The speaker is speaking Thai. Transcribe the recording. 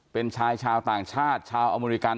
เป็นชายชาวต่างชาติชาวอเมริกัน